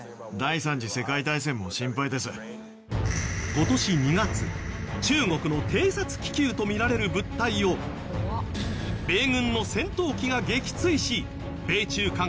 今年２月中国の偵察気球とみられる物体を米軍の戦闘機が撃墜し米中関係が悪化。